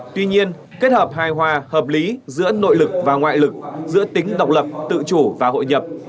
tuy nhiên kết hợp hài hòa hợp lý giữa nội lực và ngoại lực giữa tính độc lập tự chủ và hội nhập